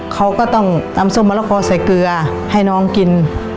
เขาก็ต้องตำส้มมะละกอใส่เกลือให้น้องกิน